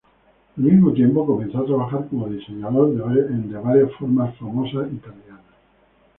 Al mismo tiempo, comenzó a trabajar como diseñador de varias formas famosas italianas.